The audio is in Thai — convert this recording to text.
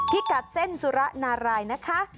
ที่กัดเส้นสุระนารายนะคะ